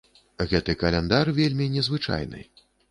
Гэты каляндар вельмі незвычайны.